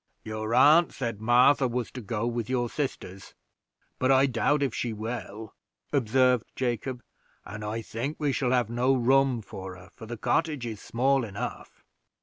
"Your aunt said Martha was to go with your sisters, but I doubt if she will," observed Jacob, "and I think we shall have no room for her, for the cottage is small enough."